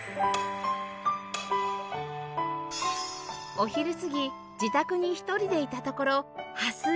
お昼過ぎ自宅に１人でいたところ破水